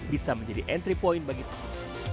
bisa menjadi entry point bagi tim